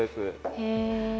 へえ！